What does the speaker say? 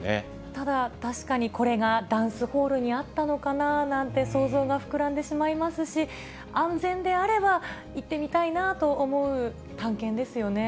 ただ、確かにこれがダンスホールにあったのかななんて、想像が膨らんでしまいますし、安全であれば、行ってみたいなと思う探検ですよね。